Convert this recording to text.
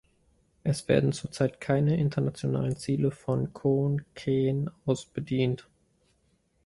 Es werden zurzeit keine internationalen Ziele von Khon Kaen aus bedient.